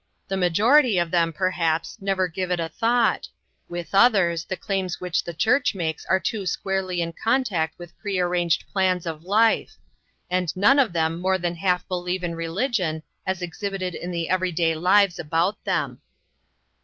" The majority of them, perhaps, never give it a thought; with others the claims which the church makes are too squarely in con tact with pre arranged plans of life ; and none of them more than half believe in re ligion as exhibited in the every day lives about them."